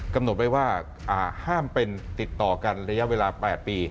กำหนดไว้ว่าห้ามเป็นติดต่อกันระยะเวลา๘ปี